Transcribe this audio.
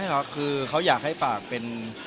ใช่ครับคือเขาอยากให้ฝากเป็น